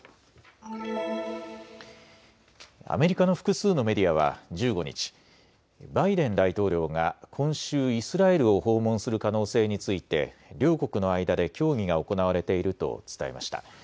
アメリカの複数のメディアは１５日、バイデン大統領が今週、イスラエルを訪問する可能性について両国の間で協議が行われていると伝えました。